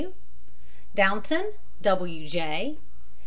W. DOUNTON, W. J.